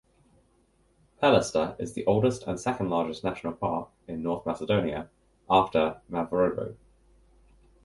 Pelister is the oldest and second largest national park in North Macedonia after Mavrovo.